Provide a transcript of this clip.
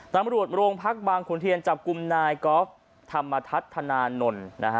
ตำรวจโรงพักบางขุนเทียนจับกลุ่มนายกอล์ฟธรรมทัศนานนท์นะฮะ